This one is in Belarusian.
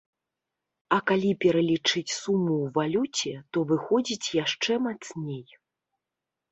А калі пералічыць суму ў валюце, то выходзіць яшчэ мацней.